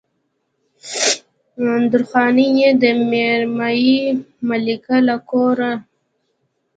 درخانۍ يې د ميرمايي ملک له کوره